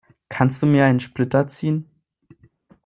Kannst du mir einen Splitter ziehen?